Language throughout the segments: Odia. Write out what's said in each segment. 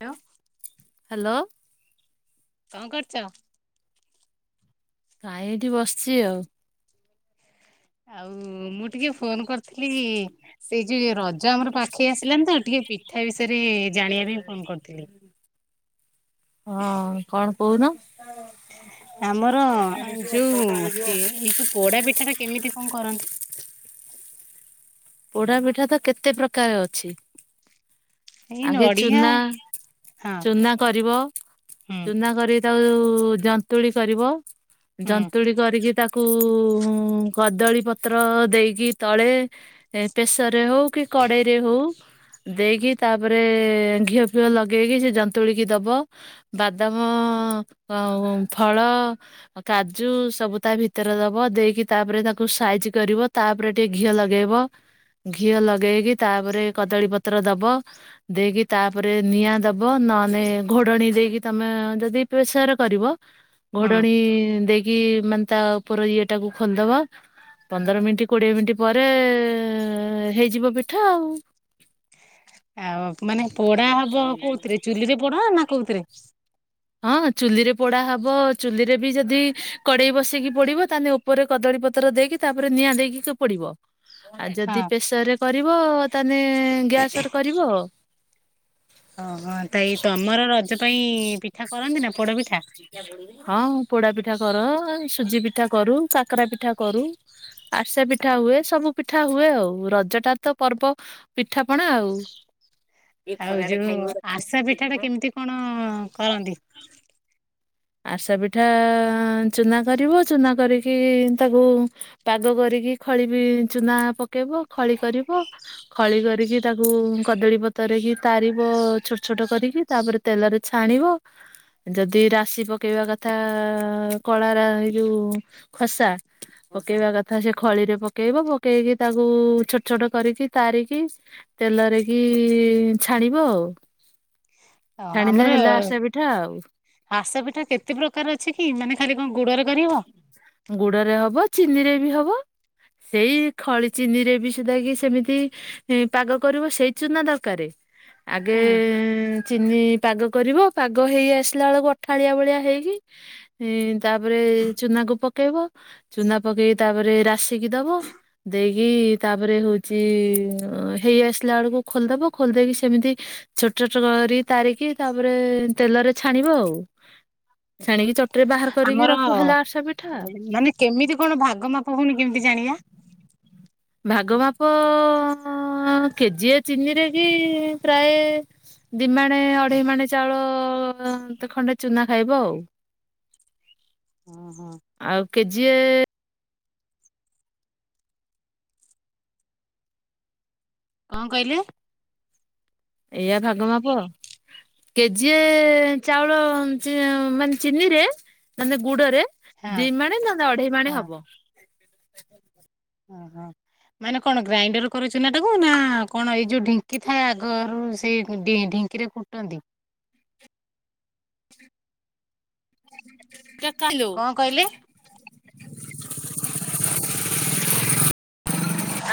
ହ୍ୟାଲୋ କଣ କରୁଛ? କାଁ ଏଇଠି ବସିଛି ଆଉ ଆଉ ଓ ମୁଁ ଟିକେ ଫୋନ କରିଥିଲି ସେଇ ଯୋଉ ରଜ ଆମର ପାଖେଇ ଆସିଲାାନ ତ ଟିକେ ପିଠା ବିଷୟରେ ଜାଣିବା ପାଇଁ ଫୋନ କରିଥିଲି ହଁ କଣ କହୁନ ଆମର ଯୋଉ ଅଛି ଏଇ ଯୋଉ ପୋଡା ପିଠାଟା କେମିତି କରନ୍ତି। ପୋଡା ପିଠା ତ କେତେ ପ୍ରକାର ଅଛି। ଏଇ ଆଗେ ନଡିଆ ଚୁନା ହଁ ଚୁନା କରିବ ହୁଁ ଚୁନା କରି ତାକୁ ଉ ଉ ଜନ୍ତୁଳି କରିବ। ହୁଁ ଜନ୍ତୁଳି କରିକି ତା କୁ କଦଳୀ ପତ୍ର ଦେଇକି ତଳେ ପ୍ରେସରରେ ହଉ କି କଡ଼େଇରେ ହଉ ଦେଇକି ତାପରେ ଘିଅ ଫିଅ ଲଗାଇକି ସେ ଯନ୍ତୁଳିକି ଦେବ ବାଦାମ ଫଳ କାଜୁ ସବୁ ତା ଭିତରେ ଦେବ ଦେଇକି ତାପରେ ତାକୁ ସାଇଜ୍ କରିବ ତାପରେ ଟିକିେ ଘିଅ ଲଗାଇବ ଘିଅ ଲଗାଇକି ତାପରେ କଦଳୀପତ୍ର ଦେବ। ଦେଇକି ତାପରେ ନିଆଁ ଦବ ନହେଲେ ଘୋଡଣୀ ଦେଇକି ତମେ ଯଦି ପେସର କରିବ ହଁ। ଘୋଡଣୀ ଦେଇକି ମାନେ ତା ଉପର ଇଏ ପିଠାକୁ ଖୋଲିଦବା ପନ୍ଦର ମିନିଟ କୋଡିଏ ମିନିଟ ପରେ ହେଇଯିବ ପିଠା ଆଉ ଆଉ ମାନେ ପୋଡା ହବ କୋଉଥିରେ ଚୁଲି ରେ ପୋଡା ନା କୋଉଥିରେ ହଁ ଚୁଲିରେ ପୋଡା ହବ ଚୁଲିରେ ବି ଯଦି କଡେଇ ବସେଇକି ପଡିବ ତାହେଲେ ଉପରେ କଦଳୀ ପତ୍ର ଦେଇକି ତାପରେ ନିଆଁ ଦେଇକି ପଡିବ। ଆଉ ହଁ। ଯଦି ପ୍ରେସର ରେ କରିବ ତାହେଲେ ଗ୍ୟାସରେ କରିବ। ଓହୋ ତେଇ ତମର ରଜ ପାଇଁ ପି ହଁ। ପୋଡା ପିଠା କର ସୁଜି ପିଠା କରୁ କକରା ପିଠା କରୁ ଆସା ପିଠା ହୁଏ ସବୁ ପିଠା ହୁଏ ଆଉ ରଜଟା ତ ପର୍ବ ପିଠାପଣା ଆଉ ଆଉ ଯୋଉ ଆସା ପିଠା ଟା କେମିତି କଣ କରନ୍ତି? ଆରସା ପିଠା ଚୁନା କରିବ ଚୂନା କରିକି ତାକୁ ପାଗ କରିକି ଖଳ ବିି ଚୁନା ପ ପକେଇବ ଖଳି କରିବ ଖଳି କରିକି ତାକୁ କଦଳୀ ପତର କି ତାରିବ ଛୋଟ ଛୋଟ କରିକି ତାପରେ ତେଲରେ ଛାଣିବ ଯଦି ରାଶି ପକେଇବା କଥା କଳାର ଏଇ ଯୋଉ ଖସା ପକେଇବା କଥା ସେ ଖଳିରେ ପକେଇବ ପକେଇକି ତାକୁ ଛୋଟ ଛୋଟ କରିକି ତାରିକି ତେଲରେ କିି ଛାଣିବ ଆଉ। ଓହୋ ଛାଣିଲେ ହେଲା ଆସେ ପିଠା ଆଉ ଇଟା କେତେ ପ୍ରକାର ଅଛି କି ମାନେ ଖାଲି କଣ ଗୁଡରେ କରିହବ? ଗୁଡରେ ହବ ଚିନି ରେ ବି ହବ। ସେଇ ଖଳି ଚିନି ରେ ବି ସୁଧା କି ସେମିତି ପାଗ କରିବ ସେଇ ଚୁନା ଦରକାର। ଆଗେ ହୁଁ ଏ ଏଁ ପାଗ କରିବ ପାଗ ହେଇ ଆସିଲା ବେଳକୁ ଅଠାଳିଆ ଭଳିଆ ହେଇକି ତା ତାପରେ ଚୁନାକୁ ପକେଇବ ଚୂନା ପକେଇକି ତାପରେ ରାସିକି ଦବ ଦେଇକି ତାପରେ ହଉଛି ହେଇ ଆସିଲା ବେଳକୁ ଖୋଲିଦବ ଖୋଲି ଦେଇକି ସେମିତି ଛୋଟ ଛୋଟ କରି ତାରିକି ତାପରେ ତେଲରେ ଛାଣିବ ଆଉ ଛାଣିକି ରେ ବାହାର କରିକି ହ ରଖ। ମାନେ କେମିତି କଣ ଭାଗ ମାପ ହଉନି କେମିତି ଜାଣିବା? ଭାଗ ମାପ କେଜିଏ ଚିନିରେ କି ପ୍ରାୟ ଦିମାଣେ ଅଢେଇ ମାଣେ ଚାଉଳ ଖଣ୍ଡେ ଚୂନା ଖାଇବ ଆଉ ଓହୋ ଆଉ କେ ଯିଏ। କଣ କହିଲେ? ଏଇଆ ଭାଗ ମାପ କେଜି ଚାଉଳ ମାନେ ଚିନିରେ ମାନେ ଗୁଡରେ ହଁ ଦି ମାଣେ ନହଲେ ଅଢେଇ ମାଣେ ହଁ ହବ। [inaudible] ଓହୋ ମାନେ କଣ ଗ୍ରାଇଣ୍ଡର କରୁଛୁ ନା ଟାକୁ ନା କଣ ଏଇ ଯୋଉ ଢିଙ୍କି ଥାଏ ଆଗରୁ ସେଇ ଢିଙ୍କିରେ ଫୁଟନ୍ତି। କେ କଲୋ କଣ କହିଲେ?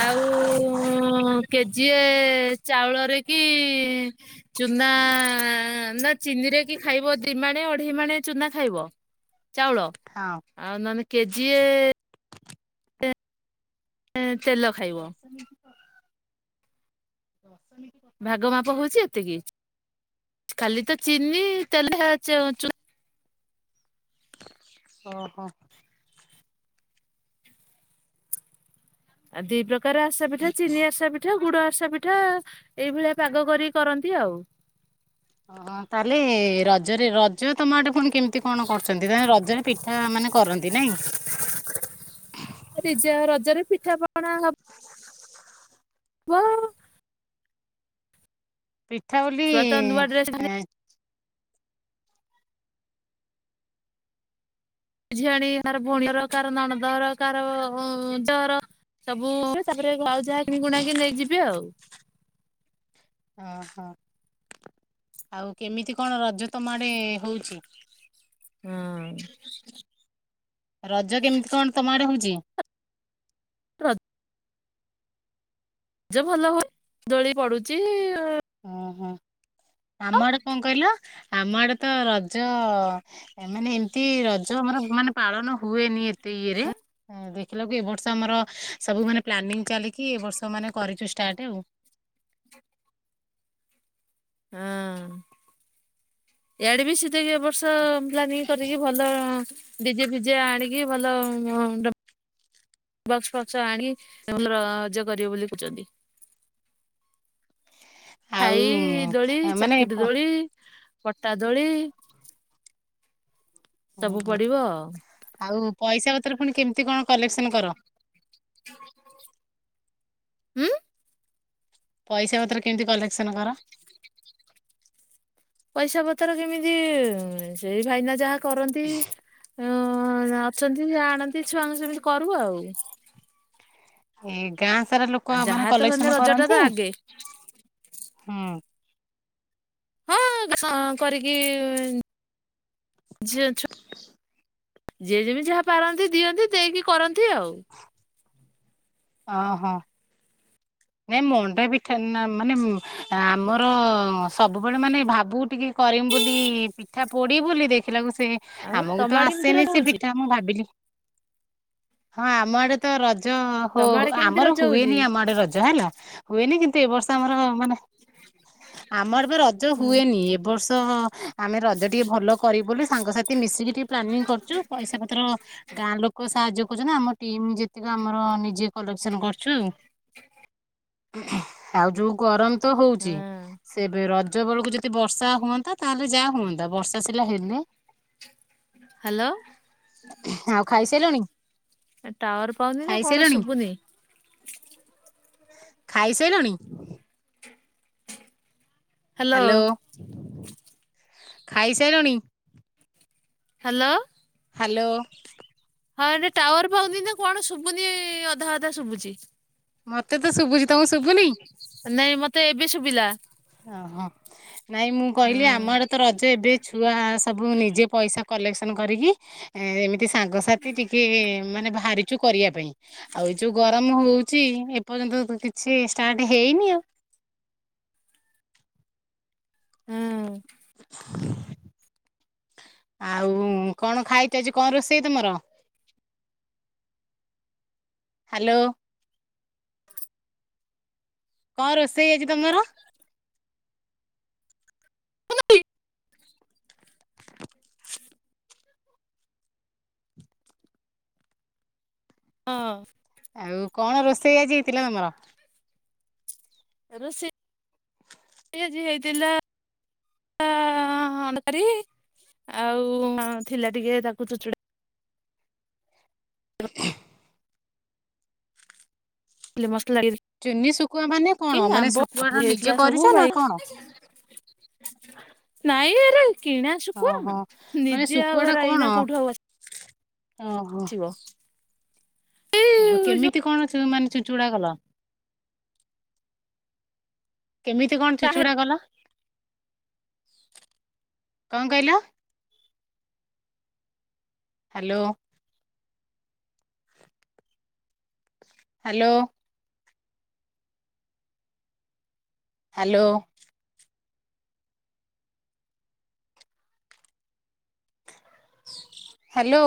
ଆଉ କେଜିଏ ଚାଉଳରେ କି? ଚୁନା। ଚିନି ରେ କି ଖାଇବ ଦିମାଣେ ଅଢେଇ ମଣେ ଚୁନା ଖାଇବ। ଚାଉଳ ହଁ। ଆଉ ନେଲେ କେଜିିଏ ତେଲ ଖାଇବ। ବସ ନେଇ ଭାଗ ମାପ ହଉଛି ଏତିକି। କଲି ତ ଚିିନି ତେଲ ହେଚୁ ଓ ହୋ ଆ ଦପ ଆସାି ଚିନିସାିଠା ଗୁଡ ବର୍ଷା ପିଠା ଏଇଭଳିଆ ପାଗ କରି କରନ୍ତି ଆଉ। ଓ ତାହେଲେ ରଜରେ ରଜ ତମ ଆଟେ ପୁଣି କେମିତି କଣ କରଛନ୍ତି ତାଲେ ରଜରେ ପିଠା ମାନେ କରନ୍ତି ନାଇଁ [inaudible] ରିଜା ରଜରେ ପିଠା। ପଣ ହ ପୁଅ ପିଠାଉଲି ଛୁଆ ତ ନୂଆ ଡ୍ରେସ ଏଁ ଝିଆଣି ହେ ନାର ଭୋଉଣୀ ହର କାହାର ନଣନ୍ଦର ହର କାହାର ଉ ଜହର ସବୁ ସେ ତାପରେ ଆଉ ଯାହା କିଣିକୁଣାକି ନେଇ ଯିବି ଆଉ। ଅଁ ହଁ ଆଉ କେମିତି କଣ ରଜ ତମ ଆଡ଼େ ହୋଉଚି? ଉଁ ରଜ କେମିତି କଣ ତମ ଆଡ଼େ ହୋଉଚି? ର ଜ ଭଲ ହୁଏ ଦୋଳି ପଡୁଚି। ଉଁ ହୁଁ। ଆମ ଆଡ଼େ କଁ କହିଲ ଆମ ଆଡ଼େ ତ ରଜ ଏ ମାନେ ଏମିତି ର ଜ ଆମର ମାନେ ପାଳନ ହୁଏନି ଏ ତେ ଇଏରେ ଏଁ ଦେ ଥିଲ କି ଏ ବର୍ଷ ଆମର ସବୁ ମାନେ ପ୍ଲାନିଂ ଚାଲିକି ଏ ବର୍ଷ ମାନେ କରିଚୁ ଟାଟେ ଆଉ। ହଁ ୟାଡ଼େ ବି ଦିକ୍ ଏ ବର୍ଷ ପ୍ଲାନିଂ କରିକି ଭଲ ଡିଜେ ଫିଜେ ଆଣିକି ଭଲ ଡ ବକ୍ସ ଫକ୍ସ ଆଣି ଏବଲ ରଜ କରିବେ ବୋଲି କହୁଚନ୍ତି। ଆଉ ଖାଇ ଦୋଳି ଆଉ ମାନେ ଚକିରି ପ- ଦୋଳି ପଟା ଦୋଳି ସବୁ ଓହୋ। ପଡ଼ିବ। ଆଉ ପଇସା ପତ୍ର ଫୁଣି କେମିତି କଣ କଲେକ୍ସନ କର। ଉଁ? ପଇସା ପତ୍ର କେମତି କଲେକ୍ସନ କର? ପଇସା ପତ୍ର କେମିତି ଉଁ ସେଇ ଭାଇନା ଯାହା କରନ୍ତି। ଓ ଅଛନ୍ତି ଜାଣନ୍ତି ଛୁଆଙ୍କୁ ସେମିତି କରୁ ଆଉ। ଏଉ ଗାଁ ସାରା ଲୋକ ଆ ଆଉ ମାନେ ଯାହା ତ ହେଲେ କଲେକ୍ସନ ରଜ ଟା ତ କରନ୍ତି। ଆଗେ ହୁଁ। ହଁ କ କରିକି ଝିଅ ଛୁଆ ଯିଏ ଯେମିତି ଯାହା ପାରନ୍ତି ଦିଅନ୍ତି ଦେଇକି କର ନ୍ତି ଆଉ। ଓ ହଁ ନାଇ ମଣ୍ଡା ପିଠା ନାଁ ମାନେ ଆମର ସବୁବେଳେ ମାନେ ଭାବୁ ଟିକେ କରିବୁ ବୋଲି, ପିଠା ପୋଡିବୁ ବୋଲି ଦେଇଥିଲା ସେ ଆଉ ଆମକୁ ତ ତମ ଆଡେ କେମିତି ଆସେନି ରଜ ସେ ହଉଛି? ପିଠା, ମୁଁ ଭାବିଲି ହଁ ଆମ ଆଡେ ତ ରଜ ହୋ ତମ ଆଡେ କେମିତି ଆମର ରଜ ହଉଛି? ହୁଏନି ଆମ ଆଡେ ର ଜ ହେଲା, ହୁଏନି କିନ୍ତୁ ଏବର୍ଷ ଆମର ମାନେ ଆମର ବି ରଜ ହୁଁ। ହୁଏନି ଏ ବର୍ଷ ଆମେ ରଜ ଟିକେ ଭଲ କରିବୁ ବୋଲି ସାଙ୍ଗସାଥି ମିଶିକି ଟିକେ ପ୍ଲାନିଂ କରିଛୁ, ପଇସା ପତ୍ର ଗାଁ ଲୋକ ସାହାଯ୍ୟ କହୁଛି ନା, ଆମ ଟିମ୍ ଯେତିକି ଆମର ନିଜେ କଲେକ୍ସନ କରିଛୁ। ଖାଲି ଆଉ ଯୋଉଁ ଗରମ ତ ହଉଛି ହଁ ସେ ଏବେ ର ରଜ ବେଳକୁ ଯଦି ବର୍ଷା ହୁଅନ୍ତା ତାହେଲେ ଯାହା ହୁଅନ୍ତା ବର୍ଷା ସିଲା ହେଇନି। ହାଲୋ ଖାଇ ସାଇଲଣି? ଏ ଟାୱାର ପାଉନି ନା କଣ ଶୁଭୁନି? ଖାଇ ସାଇଲଣି? ହ୍ୟାଲୋ ହାଲୋ, ଖାଇ ସାଇଲଣି? ହାଲୋ, ହାଲୋ ହଁ, ଏଠି ଟାୱାର ପାଉନି ନା କଣ ଶୁଭୁନି ଅଧା ଅଧା ଶୁଭୁଛିି। ମତେ ତ ଶୁଭୁଛି। ତମକୁ ଶୁଭୁନି ନାଇଁ ମତେ ଏବେ ଶୁଭିଲା, ଓ ହଁ ନାଇଁ ମୁଁ ହଁ କହିଲି ଆମଆଡେ ତ ରଜ ଏବେ ଛୁଆ ସବୁ ନିଜେ ପଇସା, କଲେକ୍ସନ କରିକି ଏମିତି ସାଙ୍ଗସାଥି ଟିକେ ମାନେ ବାହାରିଛୁ କରିବା ପାଇଁ, ଆଉ ଏ ଯୋଉ ଗରମ ହଉଛି ଏପର୍ଯ୍ୟନ୍ତ କିଛି ଷ୍ଟାର୍ଟ ହେଇନି ଆଉ। ହଁ ଆଉ କଣ ଖାଇଛ? ଆଜି କଣ ରୋଷେଇ ତମର? ହାଲୋ, କଣ ରୋଷେଇ ଆଜି ତମର? [inaudible] ହଁ ଆଉ କଣ ରୋଷେଇ ଆଜି ହେଇଥିଲା ତମର? ରୋଷେଇ ଆଜି ହେଇଥିଲା ଆ ଆ ତରକାରୀ ଆଉ ଥିଲା ଟିକେ ତାକୁ ଚୁଚୁଡା। ଖାଲି ମ ଚୁନି ଶୁଖୁଆ ମାନେ କଣ ମାନେ ଆମ୍ବ ଶୁଖୁଆଟା ପୁଡି ନିଜେ ହେଇଥିଲା ସବୁ କରିଛ ନା ଭାଇ କଣ? ନାଇ ଆରେ କିଣା ଶୁଖୁଆ ଓହୋ ମାନେ ନିଜେ ଆଉ ଏରା ଏଇନା କୋଉଠୁ ଆଉ ଓ ହୋ। ଆସିବ ଓହଃ ଏଇ କେମିତି କଣ ମାନେ ଚୁଚୁଡା କଲ। କେମିତି କଣ ଯୋଉ ଚୁଚୁଡା କଲ? କଣ କଇଲ? ହାଲୋ। ହାଲୋ। ହାଲୋ। ହାଲୋ।